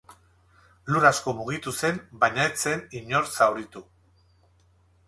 Lur asko mugitu zen, baina ez zen inor zauritu.